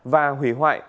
và hủy hoại